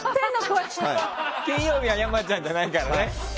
金曜日は山ちゃんじゃないからね。